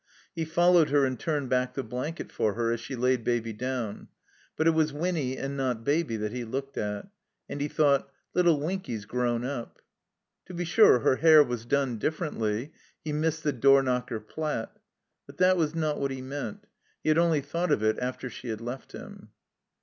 He followed her and turned back the blanket for her as she laid Baby down. But it was Winny and not Baby that he looked at. And he thought, "Little Winky 's grown up." To be sure, her hair was done diflEerently. He missed the door knocker plat. But that was not what he meant. He had only thought of it after she had left him.